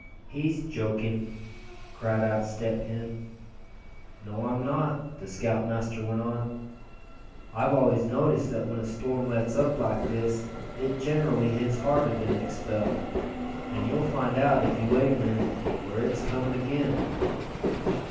"He's joking," cried out Step Hen. "No, I'm not," the scoutmaster went on. "I've always noticed that when a storm lets up like this, it generally hits harder the next spell. And you'll find out, if you wait a minute, for it's coming again."